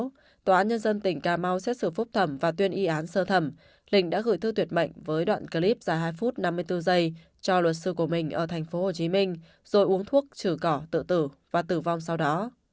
trước đó tòa án nhân dân tỉnh cà mau xét xử phúc thẩm và tuyên y án sơ thẩm linh đã gửi thư tuyệt mạnh với đoạn clip dài hai phút năm mươi bốn giây cho luật sư của mình ở tp hcm rồi uống thuốc trừ cỏ tự tử và tử vong sau đó